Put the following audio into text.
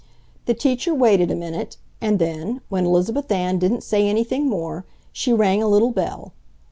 The teacher waited a minute, and then, when Elizabeth Ann didn't say anything more, she rang a little bell.